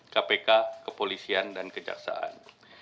kpk kepolisian dan kejaksaan